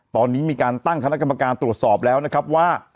ตอนนี้มีการตั้งคณะกรรมการตรวจสอบแล้วนะครับว่า